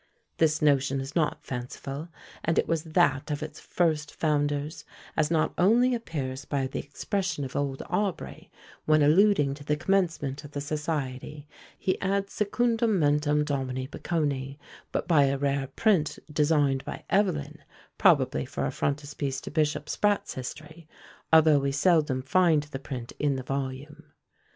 This notion is not fanciful, and it was that of its first founders, as not only appears by the expression of old Aubrey, when, alluding to the commencement of the society, he adds secundum mentem Domini Baconi; but by a rare print designed by Evelyn, probably for a frontispiece to Bishop Sprat's history, although we seldom find the print in the volume.